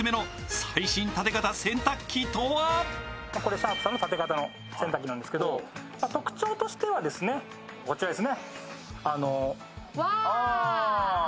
シャープさんの縦型の洗濯機なんですけど特徴としてはこちらですね。